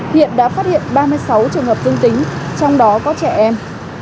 hiện đã phát hiện ba mươi sáu trường hợp dương tính trong đó có trẻ em